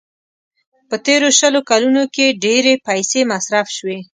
په تېرو شلو کلونو کې ډېرې پيسې مصرف شوې.